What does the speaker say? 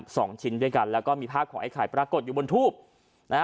สองชิ้นด้วยกันแล้วก็มีภาพของไอ้ไข่ปรากฏอยู่บนทูบนะฮะ